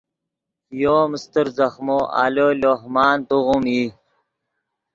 یو ام استر ځخمو آلو لوہ مان توغیم ای